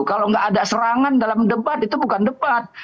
kalau nggak ada serangan dalam debat itu bukan debat